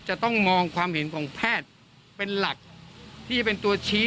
จะต้องมองความเห็นของแพทย์เป็นหลักที่เป็นตัวชี้